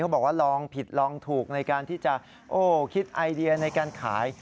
บอกว่าลองผิดลองถูกในการที่จะคิดไอเดียในการขาย